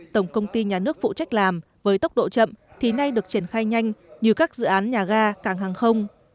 tổng công ty nhà nước phụ trách làm với tốc độ chậm thì nay được triển khai nhanh như các dự án nhà ga càng hàng không